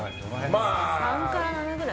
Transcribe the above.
３から７くらい？